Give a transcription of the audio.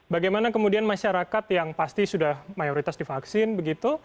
bagaimana kemudian masyarakat yang pasti sudah mayoritas divaksin begitu